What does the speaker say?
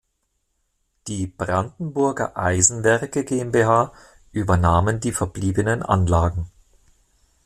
Die "Brandenburger Eisenwerke GmbH" übernahmen die verbliebenen Anlagen.